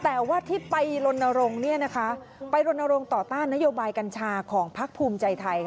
แต่ว่าที่ไปลนรงค์ไปรณรงค์ต่อต้านนโยบายกัญชาของพักภูมิใจไทย